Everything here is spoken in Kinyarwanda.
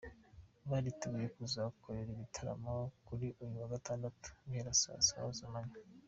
Baritegura kuzahakorera igitaramo kuri uyu wa Gatandatu, guhera saa saba z’amanywa.